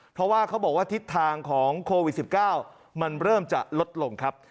เพราะว่าเขาบอกว่าทิศทางของโควิด๑๙มันเริ่มจะลดลงครับ